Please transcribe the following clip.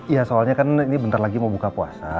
iya soalnya kan ini bentar lagi mau buka puasa